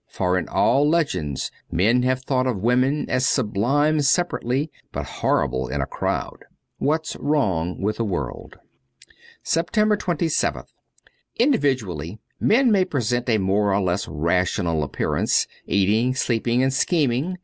For in all legends men have thought of women as sub lime separately, but horrible in a crowd. ' What's Wrong with the World.' 299 SEPTEMBER 27th INDIVIDUALLY, men may present a more or less rational appearance, eating, sleeping, and scheming.